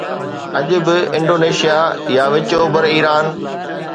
اڄ به انڊونيشيا يا وچ اوڀر ايران